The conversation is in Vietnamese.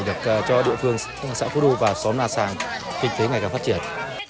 để cho địa phương xã phú đô và xóm nha sản kinh tế ngày càng phát triển